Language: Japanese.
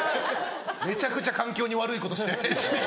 ・めちゃくちゃ環境に悪いことして。